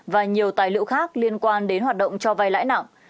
và nhiều tài liệu khác liên quan đến hoạt động cho vay lãi nặng